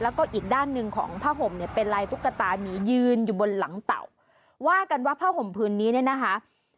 แล้วก็อีกด้านหนึ่งของผ้าห่มเนี่ยเป็นลายตุ๊กตามียืนอยู่บนหลังเต่าว่ากันว่าผ้าห่มพื้นนี้เนี่ยนะคะ